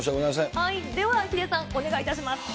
ではヒデさん、お願いいたします。